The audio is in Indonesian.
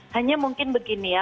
hanya mungkin begini ya